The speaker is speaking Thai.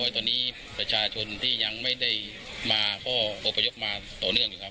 ตอนนี้ประชาชนที่ยังไม่ได้มาก็อบพยพมาต่อเนื่องอยู่ครับ